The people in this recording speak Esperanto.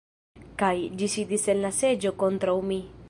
Kaj, ĝi sidis en la seĝo kontraŭ mi.